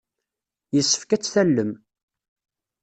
Yessefk ad tt-tallem.